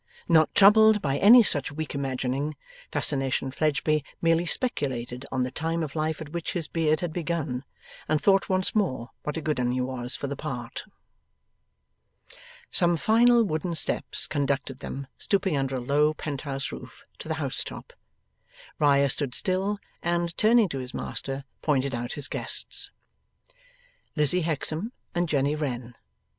Not troubled by any such weak imagining, Fascination Fledgeby merely speculated on the time of life at which his beard had begun, and thought once more what a good 'un he was for the part. Some final wooden steps conducted them, stooping under a low penthouse roof, to the house top. Riah stood still, and, turning to his master, pointed out his guests. Lizzie Hexam and Jenny Wren.